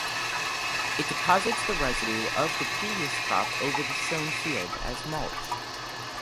It deposits the residue of the previous crop over the sown field as mulch.